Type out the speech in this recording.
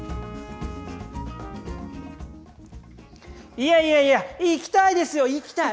いやいやいや行きたいですよ、行きたい。